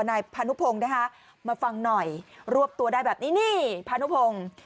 นายพานุพงศ์นะคะมาฟังหน่อยรวบตัวได้แบบนี้นี่พานุพงศ์